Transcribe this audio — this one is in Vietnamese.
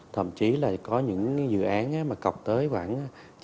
thậm chí là có những dự án mà cọc tới khoảng chín mươi chín mươi năm